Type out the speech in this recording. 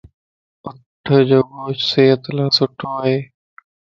اُٺَ جو گوشت صحت لا سٺو ائي.